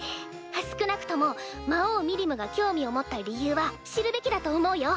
少なくとも魔王ミリムが興味を持った理由は知るべきだと思うよ。